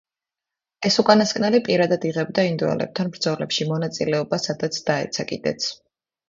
ეს უკანასკნელი პირადად იღებდა ინდოელებთან ბრძოლებში მონაწილეობას, სადაც დაეცა კიდეც.